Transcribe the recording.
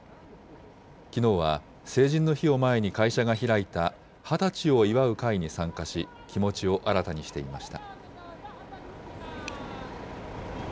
きのうは成人の日を前に会社が開いた、二十歳を祝う会に参加し、気持ちを新たにしていました。